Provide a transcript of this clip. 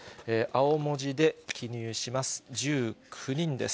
青文字で記入します。